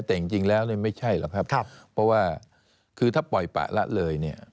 แต่จริงแล้วเนี่ยไม่ใช่หรอกครับเพราะว่าคือถ้าปล่อยปะละเลยเนี่ย